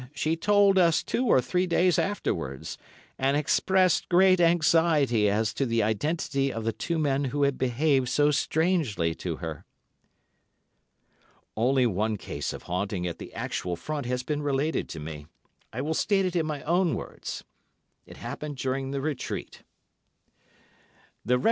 She told it us two or three days afterwards, and expressed great anxiety as to the identity of the two men who had behaved so strangely to her.'" Only one case of haunting at the actual Front has been related to me. I will state it in my own words. It happened during the retreat from N——.